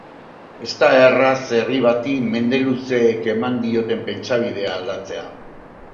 Ez da erraz herri bati mende luzeek eman dioten pentsabidea aldatzea.